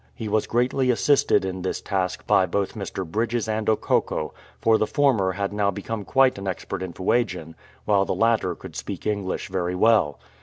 He was greatly assisted in this task by both Mr. Bridges and Okokko, for the former had now become quite an expert in Fuegian, while the latter could speak English very well.